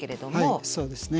はいそうですね。